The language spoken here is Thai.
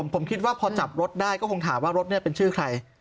ผมคิดว่าพอจับรถได้ก็คงถามว่ารถเป็นชื่อใคร